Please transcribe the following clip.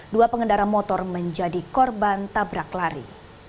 dua pengendara motor menjadi korban tabrak lari